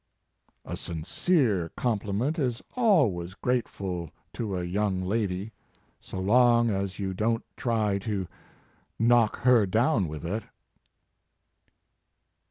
"A sincere compliment is always grate ful to a young lady, so long as you don t try to knock her down with it."